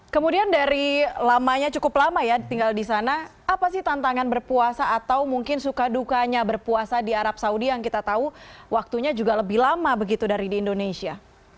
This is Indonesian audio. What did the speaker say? kemudian dari lamanya cukup lama ya tinggal di sana apa sih tantangan berpuasa atau mungkin suka dukanya berpuasa di arab saudi yang kita tahu waktunya juga lebih lama begitu dari di indonesia